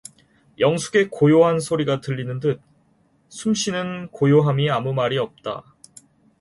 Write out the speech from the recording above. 영숙의 숨쉬는 소리가 들리는 듯하게 고요하고 아무 말이 없다.